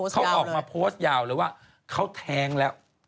เขาออกมาโพสต์ยาวเลยว่าเขาแท้งแล้ว